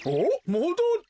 もどった。